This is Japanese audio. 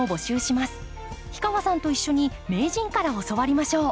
氷川さんと一緒に名人から教わりましょう。